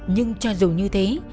nhưng cho dù như thế